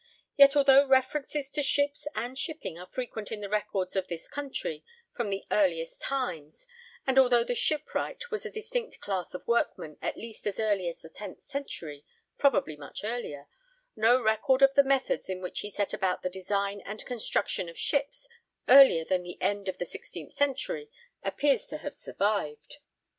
Yet although references to ships and shipping are frequent in the records of this country from the earliest times, and although the shipwright was a distinct class of workman at least as early as the tenth century probably much earlier no record of the methods in which he set about the design and construction of ships earlier than the end of the sixteenth century appears to have survived.